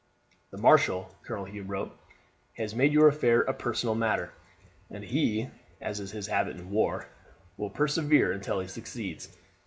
"'The marshal,' Colonel Hume wrote, 'has made your affair a personal matter, and he, as is his habit in war, will persevere until he succeeds.